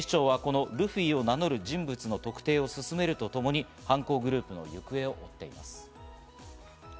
警視庁は、このルフィと名乗る人物の特定を進めるとともに犯行グループの行方を追っています。